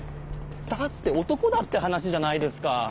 だって男だって話じゃないですか。